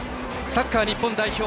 サッカー日本代表。